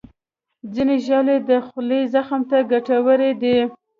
ځینې ژاولې د خولې زخم ته ګټورې دي.